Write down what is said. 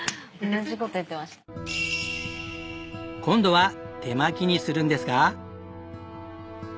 今度は手巻きにするんですが。